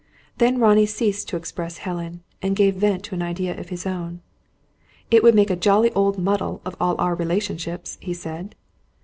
Then Ronnie ceased to express Helen, and gave vent to an idea of his own. "It would make a jolly old muddle of all our relationships," he said.